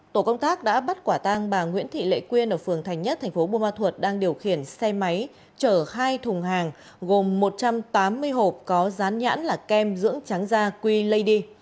tổ công tác đã bắt quả tăng bà nguyễn thị lệ quyên ở phường thành nhất thành phố buôn ma thuật đang điều khiển xe máy trở khai thùng hàng gồm một trăm tám mươi hộp có rán nhãn là kem dưỡng trắng da queen lady